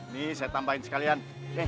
nih saya tambahin sekalian